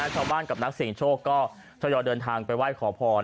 ชาวบ้านกับนักเสียงโชคก็ทยอยเดินทางไปไหว้ขอพร